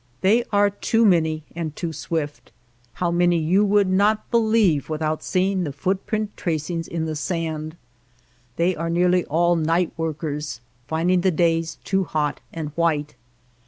They are too many and too swift ; how many you would not believe without seeing the footprint tracings in the sand. They are nearly all night workers, finding the days too hot and white.